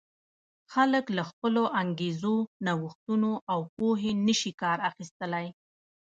خلک له خپلو انګېزو، نوښتونو او پوهې نه شي کار اخیستلای.